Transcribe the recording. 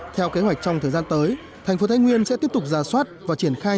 theo kế hoạch trong thời gian tới thành phố thái nguyên sẽ tiếp tục ra soát và triển khai